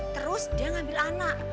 terus dia ngambil anak